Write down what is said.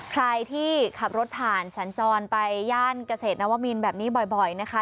ใครที่ขับรถผ่านสัญจรไปย่านเกษตรนวมินแบบนี้บ่อยนะคะ